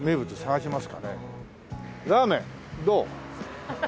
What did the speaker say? ラーメンどう？